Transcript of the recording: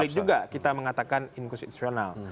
baik juga kita mengatakan inkonstitusional